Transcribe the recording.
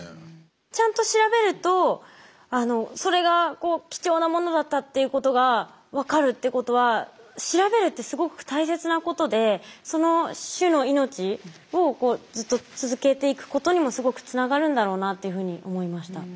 ちゃんと調べるとそれが貴重なものだったっていうことが分かるってことは調べるってすごく大切なことでその種の命をずっと続けていくことにもすごくつながるんだろうなっていうふうに思いました。